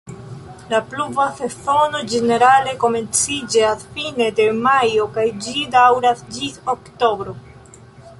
La pluva sezono ĝenerale komenciĝas fine de majo kaj ĝi daŭras ĝis oktobro.